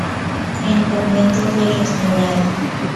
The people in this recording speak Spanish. El convento fue restaurado.